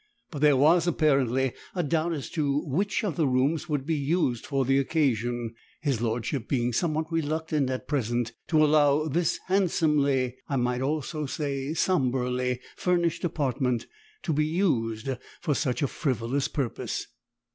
But there was apparently a doubt as to which of the rooms would be used for the occasion, his lordship being somewhat reluctant at present to allow this handsomely, I might almost say sombrely, furnished apartment to be used for such a frivolous purpose.